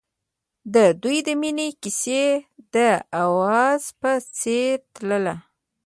د دوی د مینې کیسه د اواز په څېر تلله.